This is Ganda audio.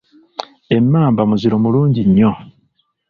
Emmamba muziro mulungi nnyo.